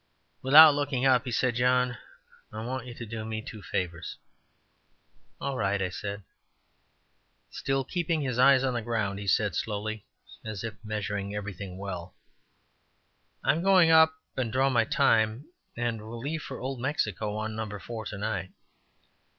Without looking up, he said: "John, I want you to do me two favors." "All right," said I. Still keeping his eyes on the ground, he said, slowly, as if measuring everything well: "I'm going up and draw my time, and will leave for Old Mexico on No. 4 to night.